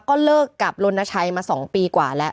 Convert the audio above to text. ก็เลิกกับลนชัยมา๒ปีกว่าแล้ว